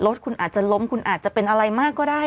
รถคุณอาจจะล้มคุณอาจจะเป็นอะไรมากก็ได้